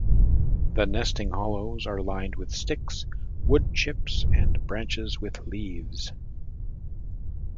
The nesting hollows are lined with sticks, wood chips and branches with leaves.